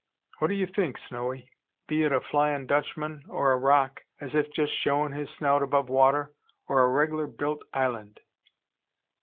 What do you think, Snowy? Be it a Flyin' Dutchman, or a rock, as if just showin' his snout above water, or a reg'lar built island?"